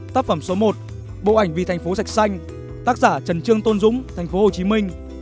tác phẩm số một bộ ảnh vì thành phố sạch xanh tác giả trần trương tôn dũng thành phố hồ chí minh